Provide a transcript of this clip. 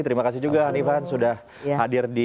terima kasih juga hanifan sudah hadir di good morning